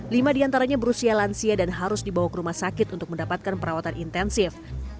lima diantaranya berusia lansia dan harus dibawa ke rumah sakit untuk mendapatkan perawatan intensif